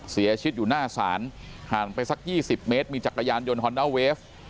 เสียชีวิตอยู่หน้าศาลห่างไปสัก๒๐เมตรมีจักรยานยนต์ฮอนด้าเวฟ